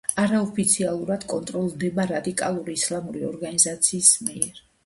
არაოფიციალურად კონტროლდება რადიკალური ისლამური ორგანიზაცია ჰამასის მიერ.